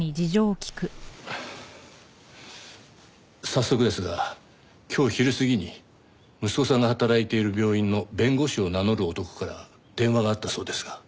早速ですが今日昼過ぎに息子さんが働いている病院の弁護士を名乗る男から電話があったそうですが。